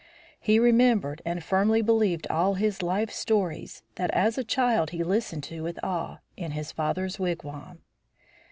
He remembered and firmly believed all his life stories that as a child he listened to with awe, in his father's wigwam.